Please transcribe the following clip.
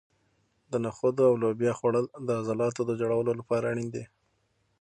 د نخودو او لوبیا خوړل د عضلاتو د جوړولو لپاره اړین دي.